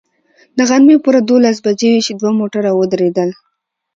د غرمې پوره دولس بجې وې چې دوه موټر ودرېدل.